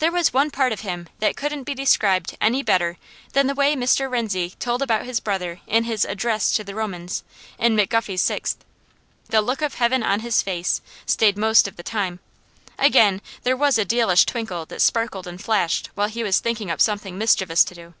There was one part of him that couldn't be described any better than the way Mr. Rienzi told about his brother in his "Address to the Romans," in McGuffey's Sixth. "The look of heaven on his face" stayed most of the time; again, there was a dealish twinkle that sparkled and flashed while he was thinking up something mischievous to do.